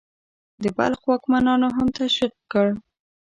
د بلخ واکمنانو هم تشویق کړ.